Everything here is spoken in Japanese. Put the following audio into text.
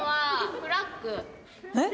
えっ？